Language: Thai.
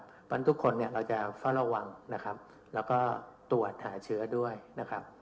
เพราะฉะนั้นทุกคนเนี่ยเราจะเฝ้าระวังนะครับแล้วก็ตรวจหาเชื้อด้วยนะครับ